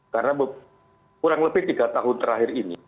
karena kurang lebih tiga tahun terakhir ini